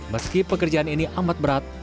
meski pekerjaan ini amat berat